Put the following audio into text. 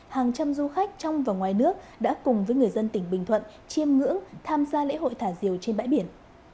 hàng trăm du khách trong và ngoài nước đã cùng với người dân tỉnh bình thuận chiêm ngưỡng tham gia lễ hội thả diều trên bãi biển